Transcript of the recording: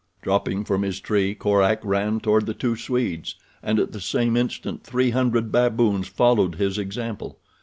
Dropping from his tree Korak ran toward the two Swedes, and at the same instant three hundred baboons followed his example.